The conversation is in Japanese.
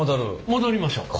戻りましょう。